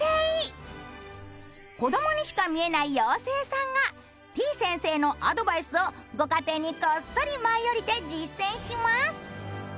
子どもにしか見えない妖精さんがてぃ先生のアドバイスをご家庭にこっそり舞い降りて実践します。